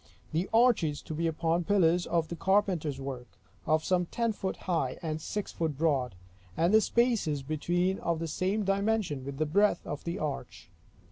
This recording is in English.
The arches to be upon pillars of carpenter's work, of some ten foot high, and six foot broad; and the spaces between of the same dimension with the breadth of the arch.